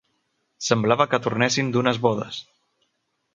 Semblava que tornessin d'unes bodes